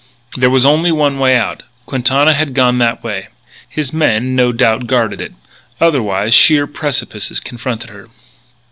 There was only one way out. Quintana had gone that way. His men no doubt guarded it. Otherwise, sheer precipices confronted her.